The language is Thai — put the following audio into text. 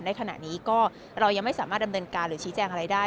ในขณะนี้ก็เรายังไม่สามารถดำเนินการหรือชี้แจงอะไรได้